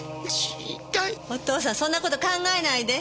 お父さんそんな事考えないで。